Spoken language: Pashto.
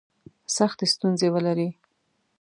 سختي ستونزي ولري.